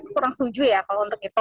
kurang setuju ya kalau untuk itu